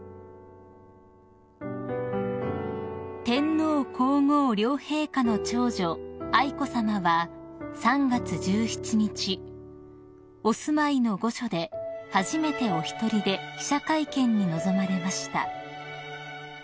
［天皇皇后両陛下の長女愛子さまは３月１７日お住まいの御所で初めてお一人で記者会見に臨まれました］